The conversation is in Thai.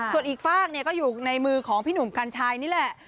ส่วนอีกฝากก็อยู่ในมือของพี่หนุ่มกัญชัยนี่แหละ